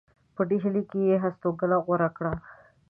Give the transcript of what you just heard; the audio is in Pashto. په ډهلي کې یې هستوګنه غوره کړه.